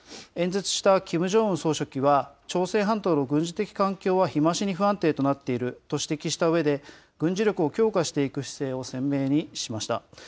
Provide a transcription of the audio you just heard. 演説したキム・ジョンウン総書記は、朝鮮半島の軍事的環境は日増しに不安定になっていると指摘したうえで、軍事力を強化していく姿勢を鮮明にしました。